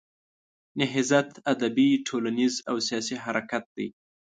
نهضت ادبي، ټولنیز او سیاسي حرکت دی.